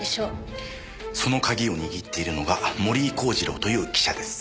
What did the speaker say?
その鍵を握っているのが森井孝次郎という記者です。